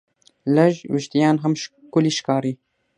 لږ وېښتيان هم ښکلي ښکاري.